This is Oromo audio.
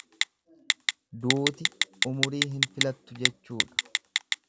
Duuti umurii hin filattu jechuudha.